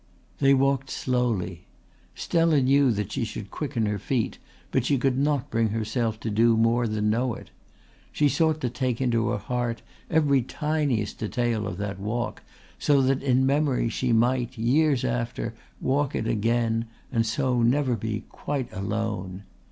They walked slowly. Stella knew that she should quicken her feet but she could not bring herself to do more than know it. She sought to take into her heart every tiniest detail of that walk so that in memory she might, years after, walk it again and so never be quite alone.